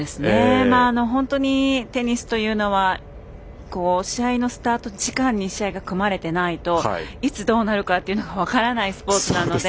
本当にテニスというのは試合のスタート時間に試合が組まれてないといつどうなるかというのが分からないスポーツなので。